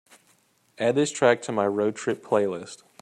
add this track to my road trip playlist